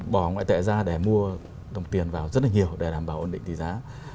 bỏ ngoại tệ ra để mua đồng tiền vào rất là nhiều để đảm bảo ổn định tỷ giá